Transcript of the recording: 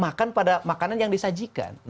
makan pada makanan yang disajikan